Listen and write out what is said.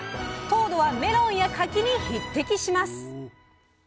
糖度はメロンや柿に匹敵します！